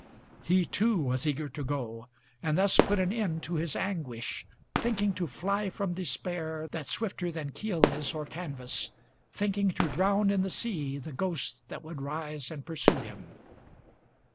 He too was eager to go, and thus put an end to his anguish, Thinking to fly from despair, that swifter than keel is or canvas, Thinking to drown in the sea the ghost that would rise and pursue him.